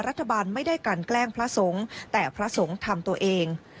รัฐบาลไม่ได้กันแกล้งพระสงฆ์แต่พระสงฆ์ทำตัวเอง